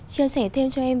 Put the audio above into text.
chia sẻ thêm cho em